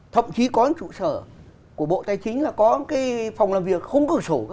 thậm chí có trụ sở của bộ tài chính là có cái phòng làm việc không có sổ